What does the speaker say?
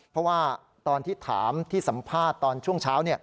เพราะว่าตอนที่ถามที่สัมภาษณ์ตอนช่วงเช้า